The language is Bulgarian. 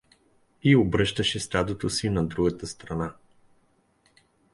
И обръщаше стадото си на друга страна.